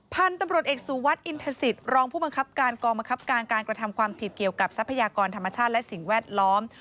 พันธุ์ตำรวจเอกสุวัสดิอินทศิษย์รองผู้บังคับการกองบังคับการการกระทำความผิดเกี่ยวกับทรัพยากรธรรมชาติและสิ่งแวดล้อม